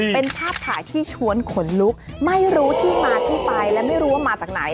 เป็นภาพถ่ายที่ชวนขนลุกไม่รู้ที่มาที่ไปและไม่รู้ว่ามาจากไหน